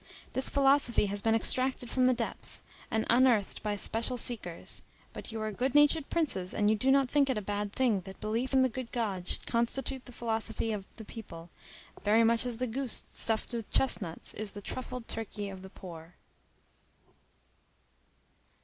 This philosophy has been extracted from the depths, and unearthed by special seekers. But you are good natured princes, and you do not think it a bad thing that belief in the good God should constitute the philosophy of the people, very much as the goose stuffed with chestnuts is the truffled turkey of the poor."